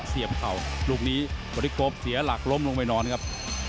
เสียบเข่าลูกนี้บริโภคเสียหลักล้มลงไปนอนครับ